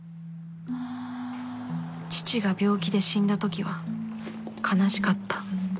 父が病気で死んだ時は悲しかった